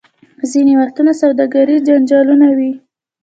ځینې وختونه سوداګریز جنجالونه وي.